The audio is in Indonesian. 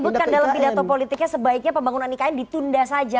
tapi mas zaky menyebutkan dalam pidato politiknya sebaiknya pembangunan ikn ditunda saja